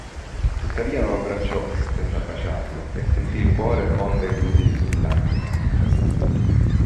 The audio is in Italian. Tuttavia lo abbracciò, senza baciarlo, e sentì il cuore fonderglisi in lacrime.